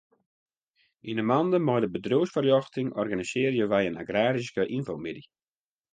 Yn 'e mande mei de bedriuwsfoarljochting organisearje wy in agraryske ynfomiddei.